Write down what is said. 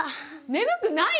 眠くない？